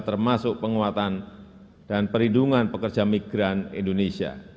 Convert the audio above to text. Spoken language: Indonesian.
termasuk penguatan dan perlindungan pekerja migran indonesia